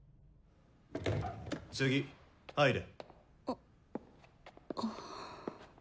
次入れ。